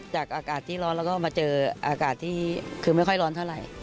อากาศที่ร้อนแล้วก็มาเจออากาศที่คือไม่ค่อยร้อนเท่าไหร่